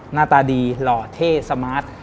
หน้าตาดีหล่อเท่สมาร์ท